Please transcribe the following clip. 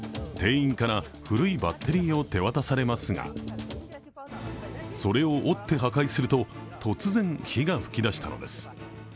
店員から古いバッテリーを手渡されますが、それを折って破壊すると突然、火が噴き出したのです。